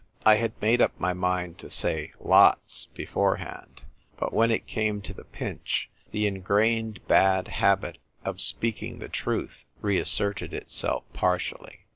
I had made up my mind to say "Lots" beforehand; but when it came to the pinch, the ingrained bad habit of speaking the truth reasserted itself par tially.